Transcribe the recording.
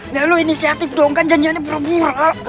ya lo inisiatif dong kan janjiannya buruk buruk